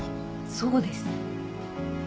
そうです。